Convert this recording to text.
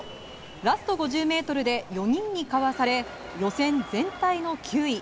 ラスト５０ｍで４人にかわされ予選全体の９位。